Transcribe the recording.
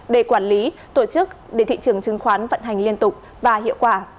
để quản lý tổ chức để thị trường chứng khoán vận hành liên tục và hiệu quả